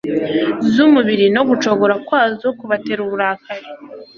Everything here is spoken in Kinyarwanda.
zu mubiri no gucogora kwazo kubatera uburakari,